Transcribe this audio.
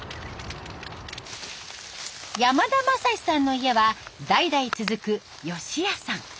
山田雅史さんの家は代々続くヨシ屋さん。